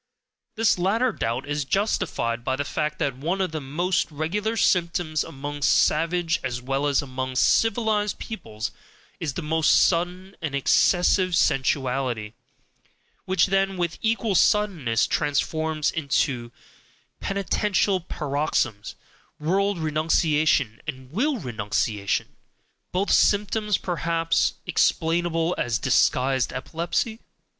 This latter doubt is justified by the fact that one of the most regular symptoms among savage as well as among civilized peoples is the most sudden and excessive sensuality, which then with equal suddenness transforms into penitential paroxysms, world renunciation, and will renunciation, both symptoms perhaps explainable as disguised epilepsy?